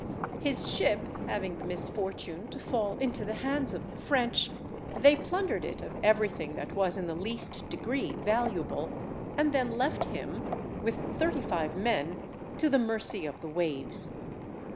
His ship having the misfortune to fall into the hands of the French, they plundered it of everything that was in the least degree valuable, and then left him, with thirty five men, to the mercy of the waves.